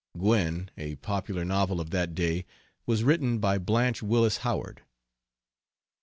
Gwen, a popular novel of that day, was written by Blanche Willis Howard.